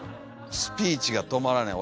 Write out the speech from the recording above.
スピーチが止まらない。